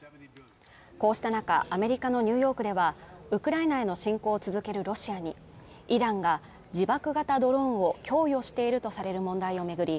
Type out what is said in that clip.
こうした中アメリカのニューヨークではウクライナへの侵攻を続けるロシアにイランが自爆型ドローンを供与しているとされる問題を巡り